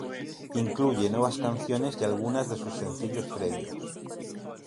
Incluye nuevas canciones y algunas de sus sencillos previos.